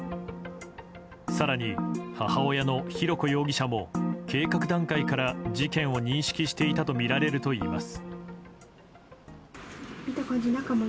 更に、母親の浩子容疑者も計画段階から事件を認識していたとみられるといいます。